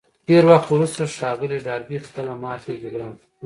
ډېر وخت وروسته ښاغلي ډاربي خپله ماتې جبران کړه.